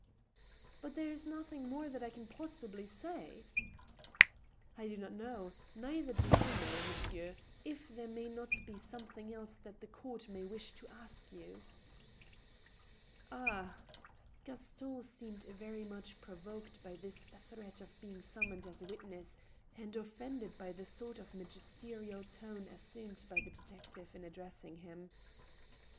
" But there is nothing more that I can possibly say." I do not know — neither do you know, monsieur— if there vusf not be something else that the court may wish to ask you." 64 TH£ STEEL HAMMER. "Ah!" Gaston seemed very much provoked by this threat of being sum moned as a witness, and offended by the sort of magisterial tone as sumed by the detective in addressing him.